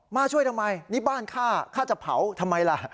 มาช่วยทำไมนี่บ้านข้าข้าจะเผาทำไมล่ะ